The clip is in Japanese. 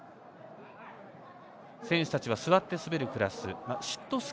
選手たちは座って滑るクラスシット